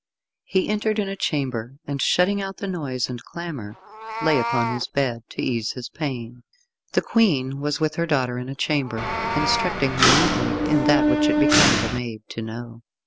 He entered in a chamber, and shutting out the noise and clamour, lay upon his bed, to ease his pain. The Queen was with her daughter in a chamber, instructing her meetly in that which it becomes a maid to know.